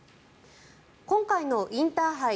今回のインターハイ